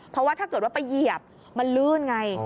เพราะว่าถ้าเกิดว่าไปเหยียบมันลื่นไง